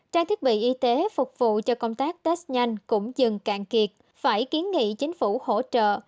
trang thiết bị y tế phục vụ cho công tác test nhanh cũng dừng cạn kiệt phải kiến nghị chính phủ hỗ trợ